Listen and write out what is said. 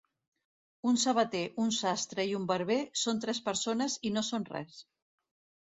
Un sabater, un sastre i un barber són tres persones i no són res.